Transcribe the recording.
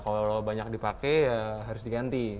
kalau banyak dipakai ya harus diganti